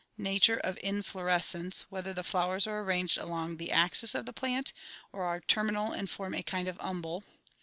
Nature of inflorescence, whether the flowers are arranged along the axis of the plant; or are terminal and form a kind of umbel.